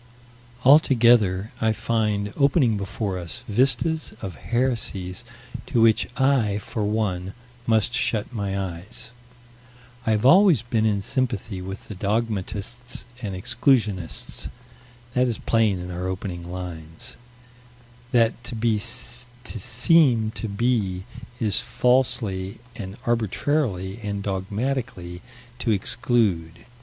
Altogether, I find opening before us, vistas of heresies to which I, for one, must shut my eyes. I have always been in sympathy with the dogmatists and exclusionists: that is plain in our opening lines: that to seem to be is falsely and arbitrarily and dogmatically to exclude.